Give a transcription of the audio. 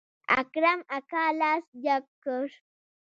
اکرم اکا لاس جګ کړ.